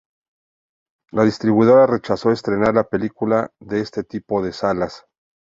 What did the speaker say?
La distribuidora rechazó estrenar la película en este tipo de salas.